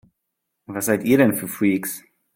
Was seid ihr denn für Freaks?